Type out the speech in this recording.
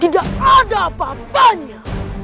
tidak ada apa apanya